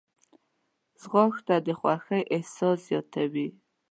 ځغاسته د خوښۍ احساس زیاتوي